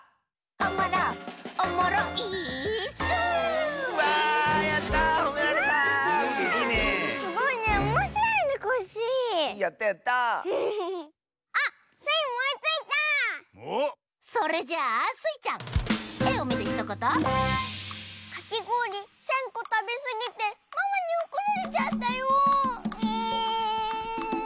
「かきごおり１，０００こたべすぎてママにおこられちゃったよ」。